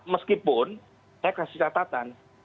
meskipun saya kasih catatan